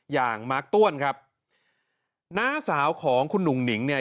มาร์คต้วนครับน้าสาวของคุณหนุ่งหนิงเนี่ย